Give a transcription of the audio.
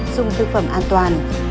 dùng thực phẩm an toàn